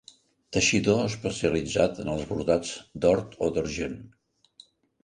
Teixidor especialitzat en els brodats d'or o d'argent.